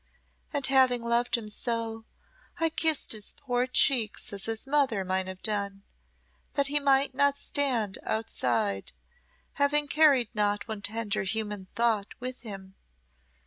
And having loved him so, I kissed his poor cheek as his mother might have done, that he might not stand outside, having carried not one tender human thought with him.